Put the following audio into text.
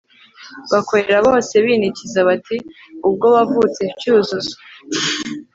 bakorera bose binikiza bati ubwo wavutse cyuzuzo